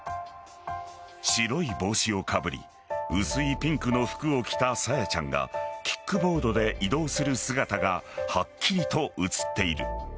白い帽子をかぶり薄いピンクの服を着た朝芽ちゃんがキックボードで移動する姿がはっきりと映っている。